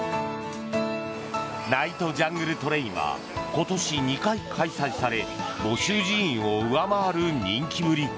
ナイトジャングルトレインは今年、２回開催され募集人員を上回る人気ぶり。